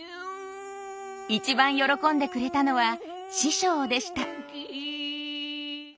一番喜んでくれたのは師匠でした。